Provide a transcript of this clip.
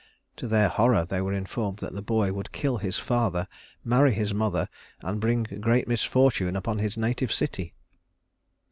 To their horror they were informed that the boy would kill his father, marry his mother, and bring great misfortune upon his native city.